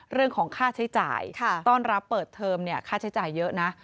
เรื่องของค่าใช้จ่ายต้อนรับเปิดเทอมเนี่ยค่าใช้จ่ายเยอะนะ